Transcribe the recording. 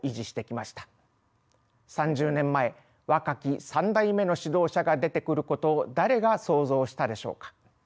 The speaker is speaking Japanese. ３０年前若き３代目の指導者が出てくることを誰が想像したでしょうか。